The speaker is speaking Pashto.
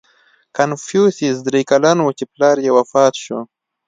• کنفوسیوس درې کلن و، چې پلار یې وفات شو.